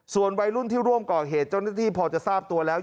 ส่วนวัยรุ่นที่ร่วมก่อเหตุเจ้าหน้าที่พอจะทราบตัวแล้ว